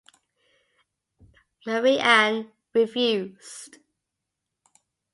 Marie Anne refused.